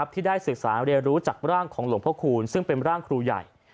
ที่ได้ศึกษาเรียนรู้จากร่างของหลวงพระคูณซึ่งเป็นร่างครูใหญ่